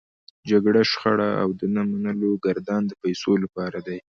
جګړه، شخړه او د نه منلو ګردان د پيسو لپاره دی.